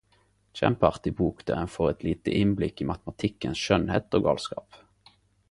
Kjempeartig bok der ein får eit lite innblikk i matematikkens skjønnhet og galskap...